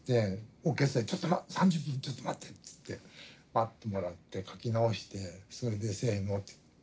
オーケストラに「ちょっと待って３０分ちょっと待って」つって待ってもらって書き直してそれでせのって。